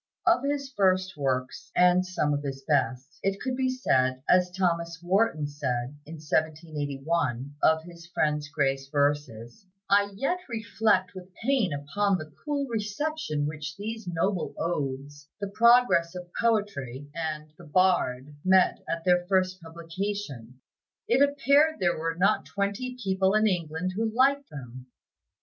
Of his first works (and some of his best) it could be said, as Thomas Wharton said, in 1781, of his friend Gray's verses, "I yet reflect with pain upon the cool reception which those noble odes, 'The Progress of Poetry' and 'The Bard' met with at their first publication; it appeared there were not twenty people in England who liked them."